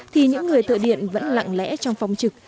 thì những người thợ điện vẫn lặng lẽ trong phòng trực